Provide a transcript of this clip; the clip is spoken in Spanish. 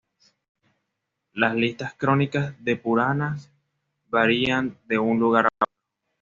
Las listas canónicas de "Puranas" varían de un lugar a otro.